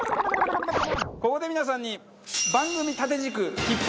ここで皆さんに何？